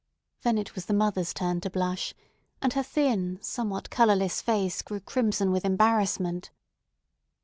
Then it was the mother's turn to blush, and her thin, somewhat colorless face grew crimson with embarrassment.